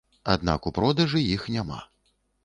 Аднак у продажы іх няма!